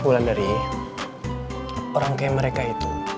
pulang dari orang kayak mereka itu